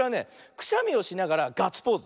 くしゃみをしながらガッツポーズ。